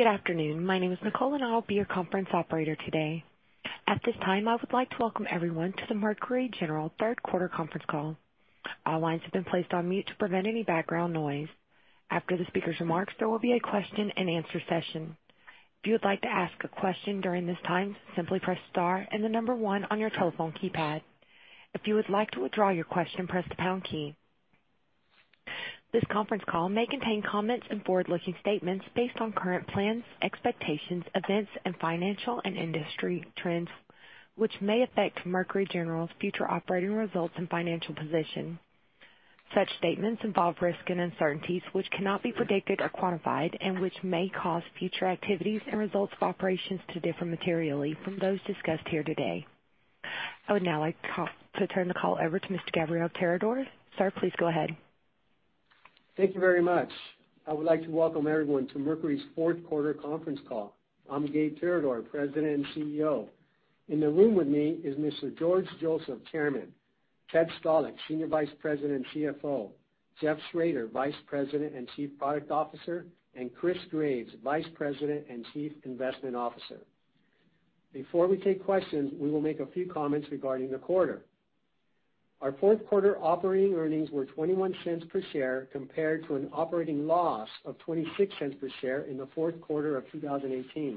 Good afternoon. My name is Nicole, and I'll be your conference operator today. At this time, I would like to welcome everyone to the Mercury General third quarter conference call. All lines have been placed on mute to prevent any background noise. After the speaker's remarks, there will be a question and answer session. If you would like to ask a question during this time, simply press star and the number 1 on your telephone keypad. If you would like to withdraw your question, press the pound key. This conference call may contain comments and forward-looking statements based on current plans, expectations, events, and financial and industry trends, which may affect Mercury General's future operating results and financial position. Such statements involve risk and uncertainties which cannot be predicted or quantified, and which may cause future activities and results of operations to differ materially from those discussed here today. I would now like to turn the call over to Mr. Gabriel Tirador. Sir, please go ahead. Thank you very much. I would like to welcome everyone to Mercury's fourth quarter conference call. I'm Gabe Tirador, President and CEO. In the room with me is Mr. George Joseph, Chairman, Ted Stalick, Senior Vice President and CFO, Jeff Schroeder, Vice President and Chief Product Officer, and Chris Graves, Vice President and Chief Investment Officer. Before we take questions, we will make a few comments regarding the quarter. Our fourth quarter operating earnings were $0.21 per share compared to an operating loss of $0.26 per share in the fourth quarter of 2018.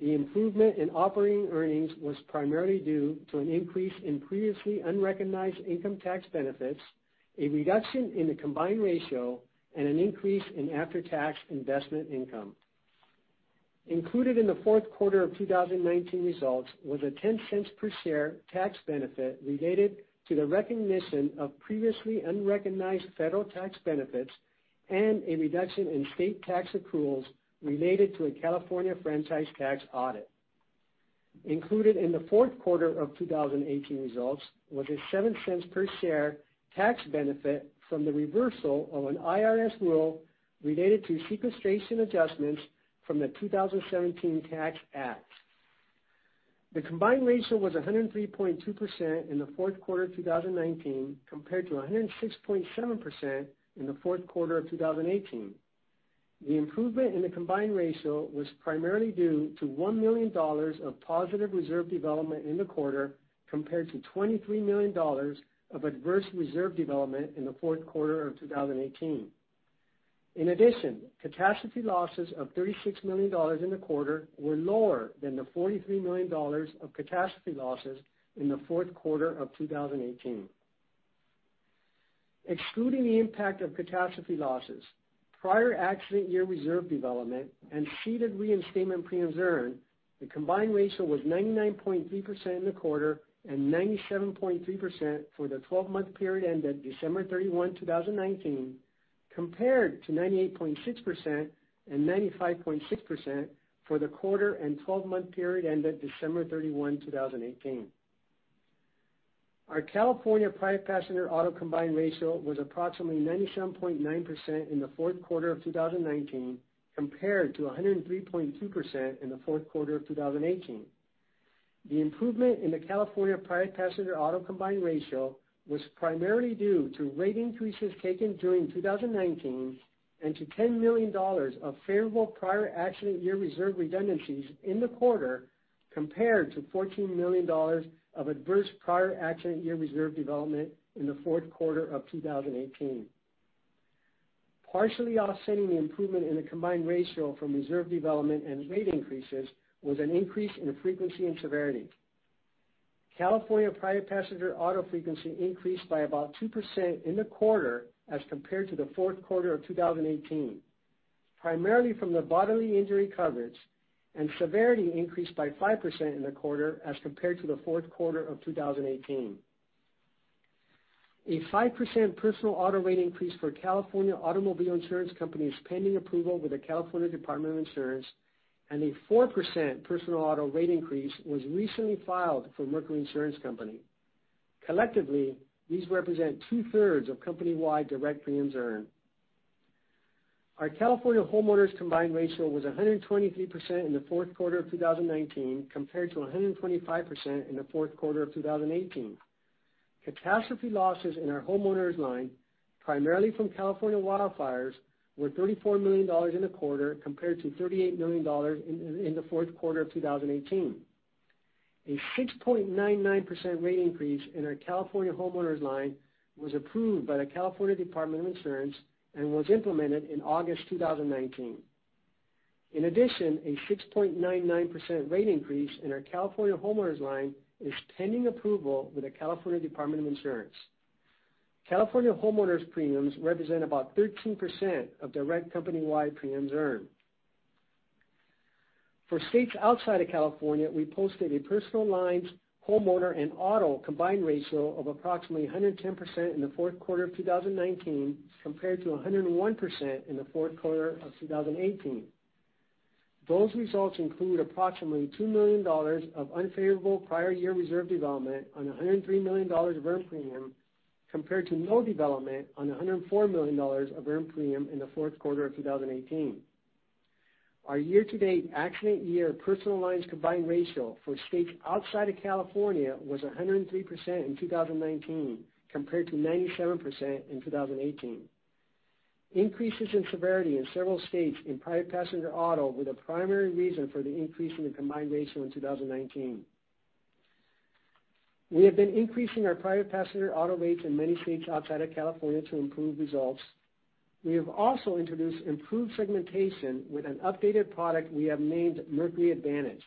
The improvement in operating earnings was primarily due to an increase in previously unrecognized income tax benefits, a reduction in the combined ratio, and an increase in after-tax investment income. Included in the fourth quarter of 2019 results was a $0.10 per share tax benefit related to the recognition of previously unrecognized federal tax benefits and a reduction in state tax accruals related to a California franchise tax audit. Included in the fourth quarter of 2018 results was a $0.07 per share tax benefit from the reversal of an IRS rule related to sequestration adjustments from the 2017 Tax Act. The combined ratio was 103.2% in the fourth quarter 2019, compared to 106.7% in the fourth quarter of 2018. The improvement in the combined ratio was primarily due to $1 million of positive reserve development in the quarter, compared to $23 million of adverse reserve development in the fourth quarter of 2018. In addition, catastrophe losses of $36 million in the quarter were lower than the $43 million of catastrophe losses in the fourth quarter of 2018. Excluding the impact of catastrophe losses, prior accident year reserve development, and ceded reinstatement premiums earned, the combined ratio was 99.3% in the quarter and 97.3% for the 12-month period ended December 31, 2019, compared to 98.6% and 95.6% for the quarter and 12-month period ended December 31, 2018. Our California private passenger auto combined ratio was approximately 97.9% in the fourth quarter of 2019, compared to 103.2% in the fourth quarter of 2018. The improvement in the California private passenger auto combined ratio was primarily due to rate increases taken during 2019 and to $10 million of favorable prior accident year reserve redundancies in the quarter, compared to $14 million of adverse prior accident year reserve development in the fourth quarter of 2018. Partially offsetting the improvement in the combined ratio from reserve development and rate increases was an increase in the frequency and severity. California private passenger auto frequency increased by about 2% in the quarter as compared to the fourth quarter of 2018, primarily from the bodily injury coverage. Severity increased by 5% in the quarter as compared to the fourth quarter of 2018. A 5% personal auto rate increase for California Automobile Insurance Company is pending approval with the California Department of Insurance. A 4% personal auto rate increase was recently filed for Mercury Insurance Company. Collectively, these represent two-thirds of company-wide direct premiums earned. Our California homeowners combined ratio was 123% in the fourth quarter of 2019, compared to 125% in the fourth quarter of 2018. Catastrophe losses in our homeowners line, primarily from California wildfires, were $34 million in the quarter compared to $38 million in the fourth quarter of 2018. A 6.99% rate increase in our California homeowners line was approved by the California Department of Insurance and was implemented in August 2019. A 6.99% rate increase in our California homeowners line is pending approval with the California Department of Insurance. California homeowners' premiums represent about 13% of direct company-wide premiums earned. For states outside of California, we posted a personal lines, homeowner, and auto combined ratio of approximately 110% in the fourth quarter of 2019, compared to 101% in the fourth quarter of 2018. Those results include approximately $2 million of unfavorable prior year reserve development on $103 million of earned premium, compared to no development on $104 million of earned premium in the fourth quarter of 2018. Our year-to-date accident year personal lines combined ratio for states outside of California was 103% in 2019, compared to 97% in 2018. Increases in severity in several states in private passenger auto were the primary reason for the increase in the combined ratio in 2019. We have been increasing our private passenger auto rates in many states outside of California to improve results. We have also introduced improved segmentation with an updated product we have named Mercury Advantage.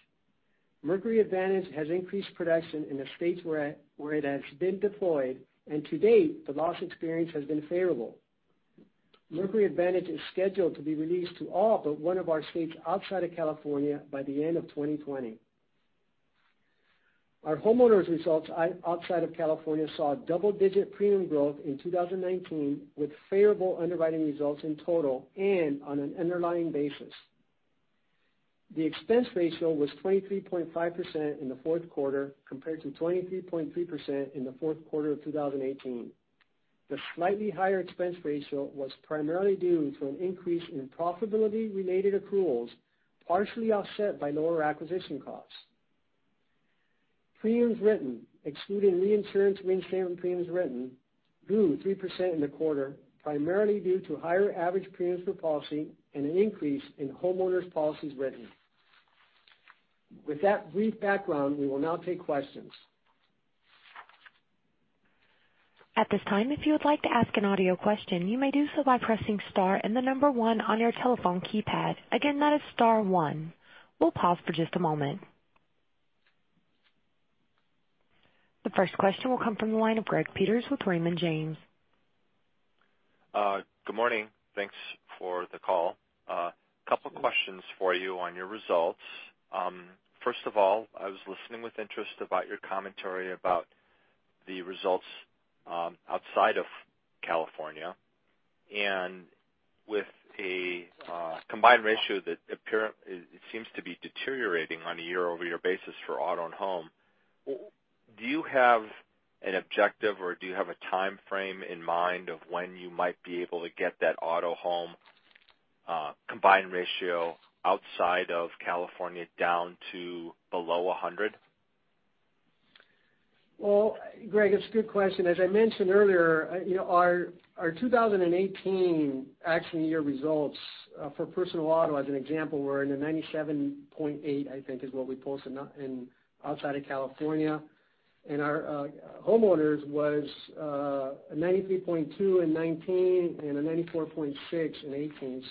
Mercury Advantage has increased production in the states where it has been deployed, and to date, the loss experience has been favorable. Mercury Advantage is scheduled to be released to all but one of our states outside of California by the end of 2020. Our homeowners results outside of California saw double-digit premium growth in 2019, with favorable underwriting results in total and on an underlying basis. The expense ratio was 23.5% in the fourth quarter, compared to 23.3% in the fourth quarter of 2018. The slightly higher expense ratio was primarily due to an increase in profitability-related accruals, partially offset by lower acquisition costs. Premiums written, excluding reinsurance reinstatement premiums written, grew 3% in the quarter, primarily due to higher average premiums per policy and an increase in homeowners policies written. With that brief background, we will now take questions. At this time, if you would like to ask an audio question, you may do so by pressing star and the number 1 on your telephone keypad. Again, that is star 1. We'll pause for just a moment. The first question will come from the line of Greg Peters with Raymond James. Good morning. Thanks for the call. Couple questions for you on your results. First of all, I was listening with interest about your commentary about the results outside of California. With a combined ratio that seems to be deteriorating on a year-over-year basis for auto and home, do you have an objective, or do you have a timeframe in mind of when you might be able to get that auto home combined ratio outside of California down to below 100? Well, Greg, it's a good question. As I mentioned earlier, our 2018 action year results for personal auto, as an example, were in the 97.8, I think is what we posted outside of California. Our homeowners was 93.2 in 2019 and a 94.6 in 2018.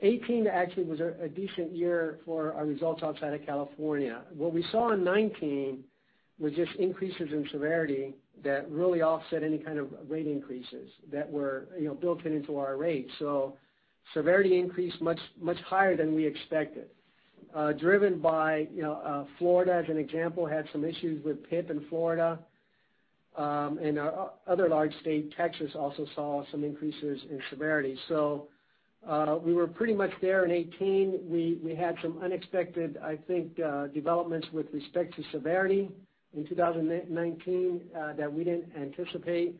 2018 actually was a decent year for our results outside of California. What we saw in 2019 was just increases in severity that really offset any kind of rate increases that were built into our rates. Severity increased much higher than we expected, driven by Florida, as an example, had some issues with PIP in Florida. Our other large state, Texas, also saw some increases in severity. We were pretty much there in 2018. We had some unexpected, I think, developments with respect to severity in 2019 that we didn't anticipate.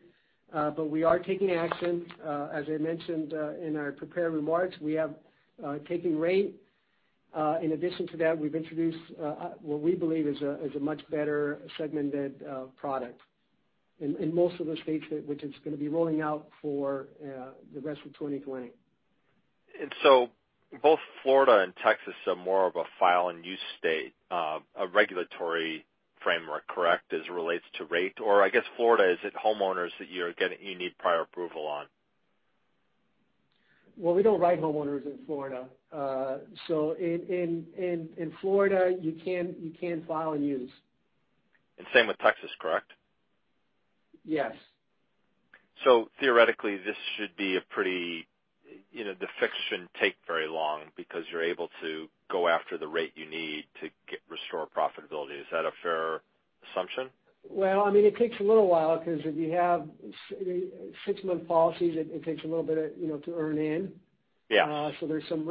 We are taking action. As I mentioned in our prepared remarks, we have taken rate. In addition to that, we've introduced what we believe is a much better segmented product in most of the states, which it's going to be rolling out for the rest of 2020. Both Florida and Texas are more of a file and use state, a regulatory framework, correct, as it relates to rate? I guess Florida, is it homeowners that you need prior approval on? Well, we don't write homeowners in Florida. In Florida, you can file and use. Same with Texas, correct? Yes. Theoretically, this should be the fix shouldn't take very long because you're able to go after the rate you need to restore profitability. Is that a fair assumption? Well, it takes a little while because if you have six-month policies, it takes a little bit to earn in. Yeah. There's some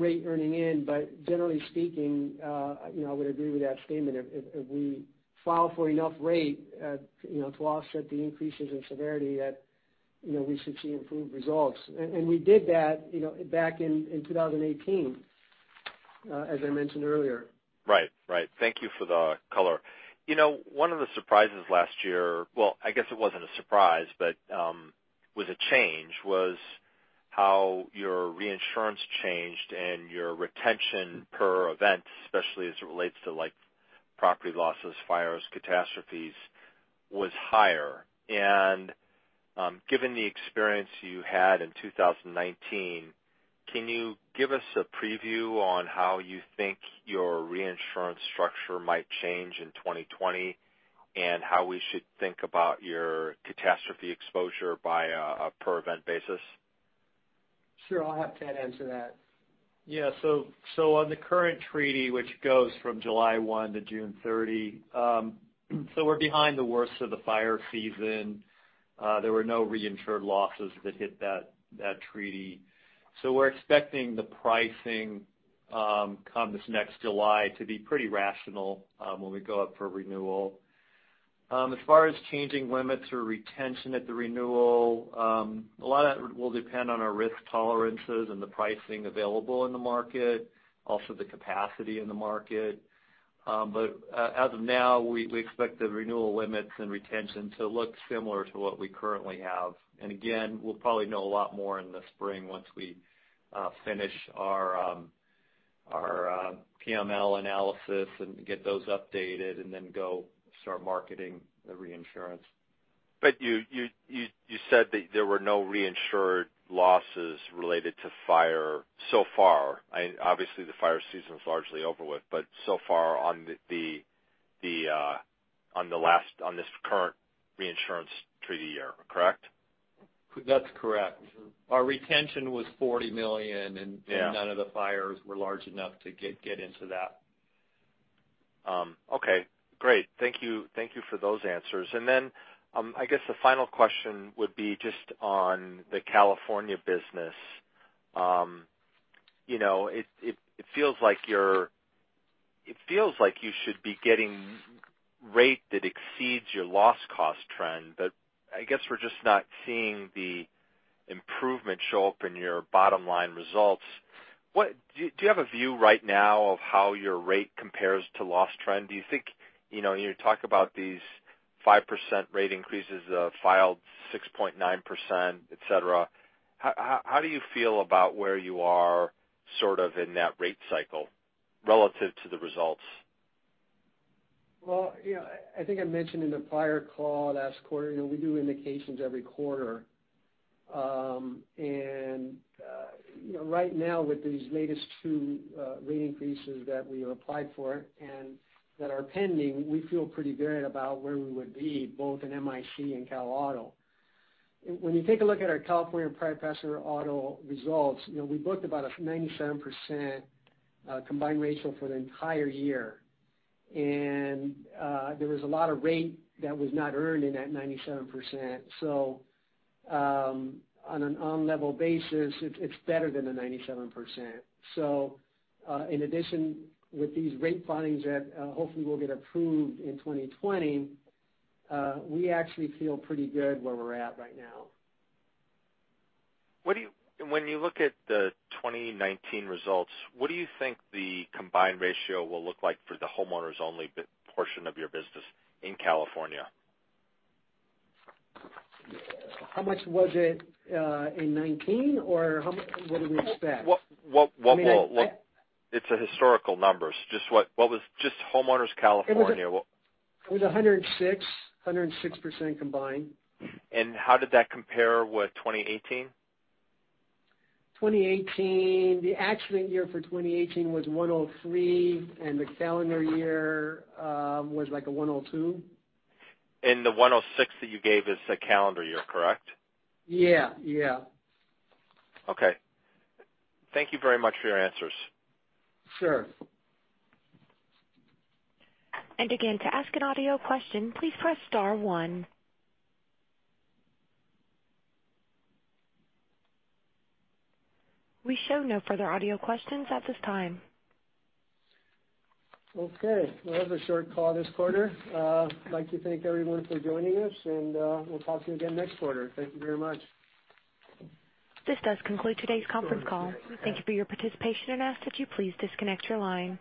rate earning in, but generally speaking, I would agree with that statement. If we file for enough rate to offset the increases in severity, we should see improved results. We did that back in 2018, as I mentioned earlier. Right. Thank you for the color. One of the surprises last year, well, I guess it wasn't a surprise, but was a change, was how your reinsurance changed and your retention per event, especially as it relates to property losses, fires, catastrophes, was higher. Given the experience you had in 2019, can you give us a preview on how you think your reinsurance structure might change in 2020, and how we should think about your catastrophe exposure by a per event basis? Sure. I'll have Ted answer that. On the current treaty, which goes from July 1 to June 30, we're behind the worst of the fire season. There were no reinsured losses that hit that treaty. We're expecting the pricing come this next July to be pretty rational when we go up for renewal. As far as changing limits or retention at the renewal, a lot of it will depend on our risk tolerances and the pricing available in the market, also the capacity in the market. As of now, we expect the renewal limits and retention to look similar to what we currently have. Again, we'll probably know a lot more in the spring once we finish our Our PML analysis and get those updated and then go start marketing the reinsurance. You said that there were no reinsured losses related to fire so far. Obviously, the fire season's largely over with, so far on this current reinsurance treaty year, correct? That's correct. Our retention was $40 million, and none of the fires were large enough to get into that. Okay, great. Thank you for those answers. Then, I guess the final question would be just on the California business. It feels like you should be getting rate that exceeds your loss cost trend, but I guess we're just not seeing the improvement show up in your bottom-line results. Do you have a view right now of how your rate compares to loss trend? You talk about these 5% rate increases, filed 6.9%, et cetera. How do you feel about where you are sort of in that rate cycle relative to the results? Well, I think I mentioned in the prior call last quarter, we do indications every quarter. Right now with these latest two rate increases that we applied for and that are pending, we feel pretty good about where we would be, both in MIC and Cal Auto. When you take a look at our California personal auto results, we booked about a 97% combined ratio for the entire year. There was a lot of rate that was not earned in that 97%. On an on-level basis, it's better than the 97%. In addition with these rate filings that hopefully will get approved in 2020, we actually feel pretty good where we're at right now. When you look at the 2019 results, what do you think the combined ratio will look like for the homeowners-only portion of your business in California? How much was it in 2019, or what do we expect? It's a historical number. Just homeowners California. It was 106% combined. How did that compare with 2018? 2018, the accident year for 2018 was 103, the calendar year was like a 102. The 106 that you gave is the calendar year, correct? Yeah. Okay. Thank you very much for your answers. Sure. Again, to ask an audio question, please press star one. We show no further audio questions at this time. Okay. Well, it was a short call this quarter. I'd like to thank everyone for joining us. We'll talk to you again next quarter. Thank you very much. This does conclude today's conference call. Thank you for your participation and ask that you please disconnect your line.